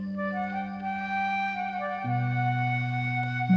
neng mah kayak gini